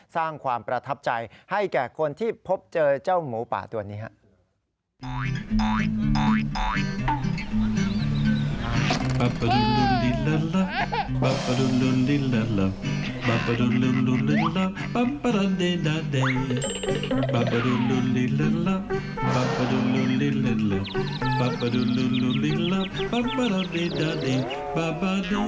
สร้างความประทับใจให้แก่คนที่พบเจอเจ้าหมูป่าตัวนี้ครับ